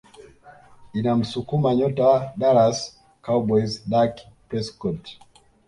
inamsukuma nyota wa Dallas Cowboys Dak Prescott